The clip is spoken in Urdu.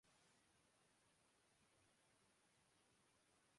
سونے کی مقامی قیمت ماہ کی بلند ترین سطح پر پہنچ گئی